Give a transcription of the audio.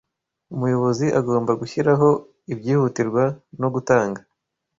umuyobozi agomba gushyiraho ibyihutirwa no gutanga